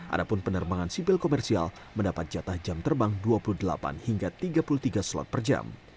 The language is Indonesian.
adapun penerbangan sipil komersial mendapat jatah jam terbang dua puluh delapan hingga tiga puluh tiga slot per jam